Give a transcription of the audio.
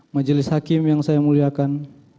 majelis hakim yang saya muliakan